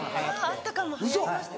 あったかも流行りました。